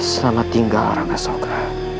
selamat tinggal rangga soka